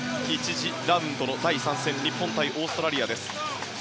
次ラウンドの第３戦日本対オーストラリアです。